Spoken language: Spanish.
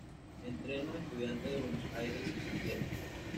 Entreno a Estudiantes de Buenos Aires y San Telmo.